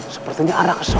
sepertinya arah ke sama